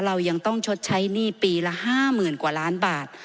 เรายังต้องชดใช้หนี้ปีละ๕๐๐๐กว่าล้านบาท